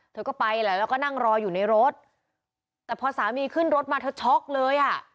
เธอก็ไปแหละแล้วก็นั่งรออยู่ในรถแต่พอสามีขึ้นรถมาเธอช็อกเลยอ่ะ